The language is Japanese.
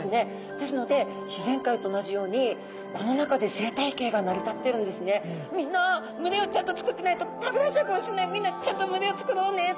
ですので自然界と同じようにみんな群れをちゃんとつくってないと食べられちゃうかもしれないみんなちゃんと群れをつくろうねと。